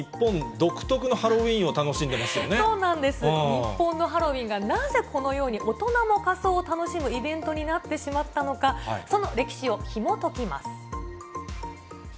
日本のハロウィーンがなぜこのように大人も仮装を楽しむイベントになってしまったのか、その歴史をひもときます。